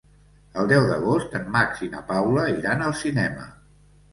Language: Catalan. El deu d'agost en Max i na Paula iran al cinema.